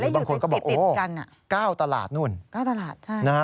หรือบางคนก็บอกโอ้โฮ๙ตลาดนู่นนะฮะ